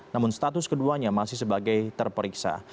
namun status keduanya masih sebagai terperiksa